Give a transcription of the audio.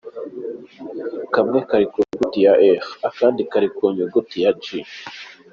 Kamwe kuri ku nyuguti ya ‘F’ akandi kari ku nyuguti ya ‘J’.